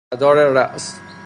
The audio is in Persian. مدار رأس